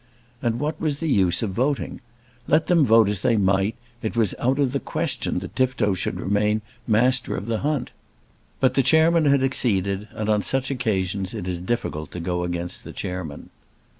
And what was the use of voting? Let them vote as they might, it was out of the question that Tifto should remain Master of the hunt. But the chairman had acceded, and on such occasions it is difficult to go against the chairman.